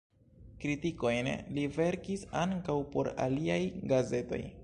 Kritikojn li verkis ankaŭ por aliaj gazetoj.